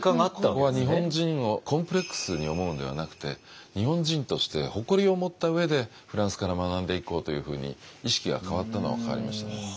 ここは日本人をコンプレックスに思うんではなくて日本人として誇りを持った上でフランスから学んでいこうというふうに意識が変わったのは変わりましたね。